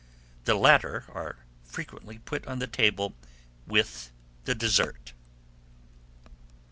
The latter are frequently put on the table with the dessert.